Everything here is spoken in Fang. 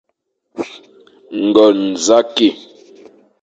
Ngon za ki,